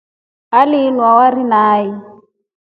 Aliinwa pombe nai.